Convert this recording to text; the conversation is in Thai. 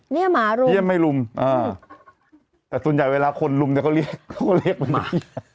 นี่หมารุมอ่ะแต่ส่วนใหญ่เวลาคนรุมเขาเรียกเป็นหมา